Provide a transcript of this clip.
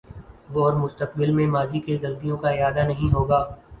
اورمستقبل میں ماضی کی غلطیوں کا اعادہ نہیں ہو گا۔